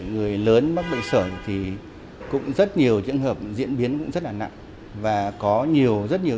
người lớn mắc bệnh sở thì cũng rất nhiều trường hợp diễn biến cũng rất là nặng và có nhiều rất nhiều